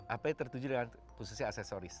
apa yang tertuju dengan khususnya aksesoris